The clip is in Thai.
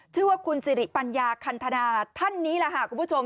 ชื่อว่าคุณสิริปัญญาคันธนาท่านนี้แหละค่ะคุณผู้ชม